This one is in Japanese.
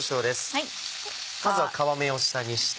まずは皮目を下にして。